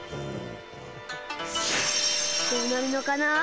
どうなるのかな？